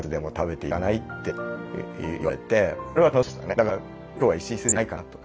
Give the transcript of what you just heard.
だから今日は石井先生いないかなとか。